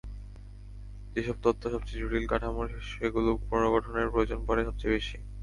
যেসব তথ্য সবচেয়ে জটিল কাঠামোর, সেগুলো পুনর্গঠনের প্রয়োজন পড়ে সবচেয়ে বেশি।